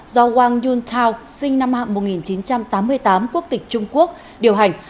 do wang yuntao sinh năm một nghìn chín trăm tám mươi tám quốc tịch trung quốc điều hành